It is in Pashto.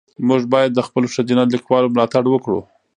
موږ باید د خپلو ښځینه لیکوالو ملاتړ وکړو.